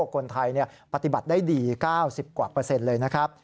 คนไทยปฏิบัติได้ดี๙๐กว่าเปอร์เซ็นต์เลยนะครับ